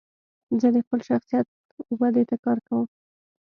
زه د خپل شخصیت ودي ته کار کوم.